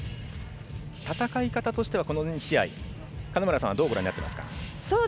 戦い方としてはこの２試合、金村さんはどうご覧になっていますか？